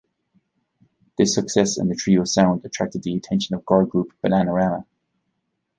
This success and the trio's sound attracted the attention of girl group Bananarama.